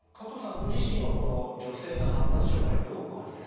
ご自身はこの女性の発達障害どうお感じですか？